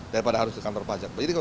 daripada harus ke kantor pajak